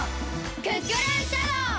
クックルンシャドー！